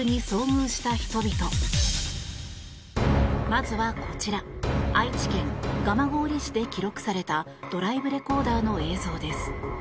まずはこちら愛知県蒲郡市で記録されたドライブレコーダーの映像です。